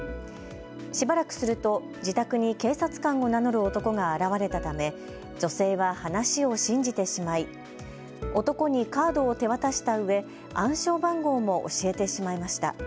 しばらくすると自宅に警察官を名乗る男が現れたため女性は話を信じてしまい男にカードを手渡したうえ暗証番号も教えてしまいました。